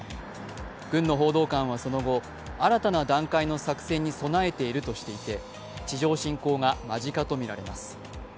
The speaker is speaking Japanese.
軍の報道官はその後、新たな段階の作戦に備えているとしていて、地上侵攻が間近とみられます。